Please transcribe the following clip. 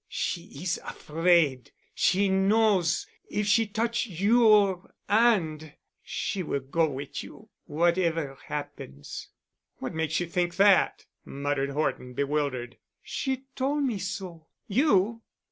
She is afraid. She knows—if she touch your 'and—she will go wit' you—whatever 'appens." "What makes you think that?" muttered Horton, bewildered. "She tol' me so——" "You?"